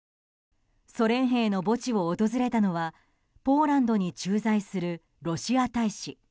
ソ連兵の墓地を訪れたのはポーランドに駐在するロシア大使。